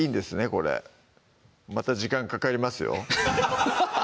これまた時間かかりますよ